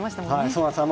そうなんです。